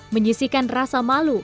menyisikan rasa malu